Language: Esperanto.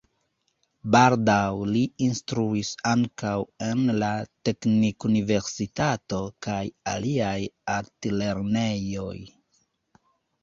Baldaŭ li instruis ankaŭ en la Teknikuniversitato kaj aliaj altlernejoj.